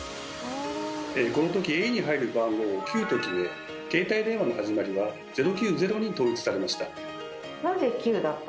この時「ａ」に入る番号を「９」と決め携帯電話の始まりは「０９０」に統一されました。